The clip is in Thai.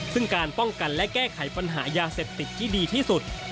ซึ่งการป้องกันและแก้ไขปัญหายาเสพติดที่ดีที่สุด